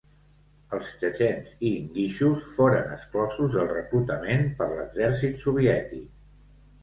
Els txetxens i ingúixos foren exclosos del reclutament per l'exèrcit soviètic.